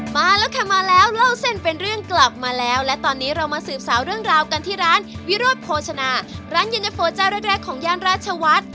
มาแล้วค่ะมาแล้วเล่าเส้นเป็นเรื่องกลับมาแล้วและตอนนี้เรามาสืบสาวเรื่องราวกันที่ร้านวิโรธโภชนาร้านเย็นตะโฟเจ้าแรกของย่านราชวัฒน์